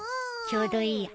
ちょうどいいや。